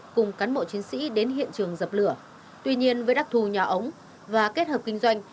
cùng cán bộ chiến sĩ đến hiện trường dập lửa tuy nhiên với đặc thù nhà ống và kết hợp kinh doanh